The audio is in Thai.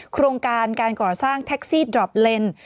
โครงการการก่อสร้างแท็กซี่ดรอปเลนส์